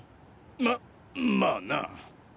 ままあな。